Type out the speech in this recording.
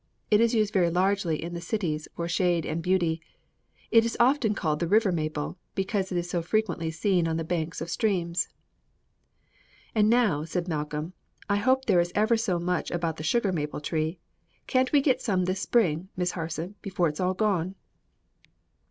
It is used very largely in the cities for shade and beauty. It is often called the 'river maple,' because it is so frequently seen on the banks of streams." "And now," said Malcolm, "I hope there is ever so much about the maple sugar tree. Can't we get some this spring, Miss Harson, before it's all gone?"